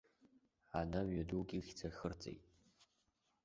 Ана мҩадук ихьӡ ахырҵеит.